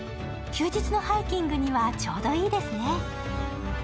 休日のハイキングにはちょうどいいですね。